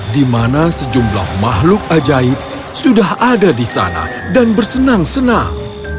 di mana sejumlah makhluk ajaib sudah ada di sana dan bersenang senang